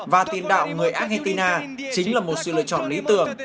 và tiền đạo người argentina chính là một sự lựa chọn lý tưởng